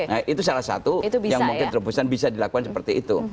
nah itu salah satu yang mungkin terobosan bisa dilakukan seperti itu